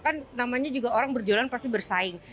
kan namanya juga orang berjualan pasti bersaing